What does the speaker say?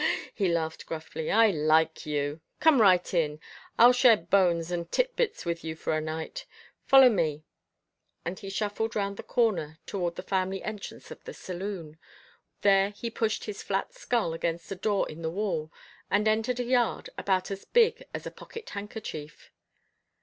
he laughed gruffly. "I like you. Come right in I'll share bones and tit bits with you for a night. Follow me," and he shuffled round the corner toward the family entrance of the saloon. There he pushed his flat skull against a door in the wall, and entered a yard about as big as a pocket handkerchief.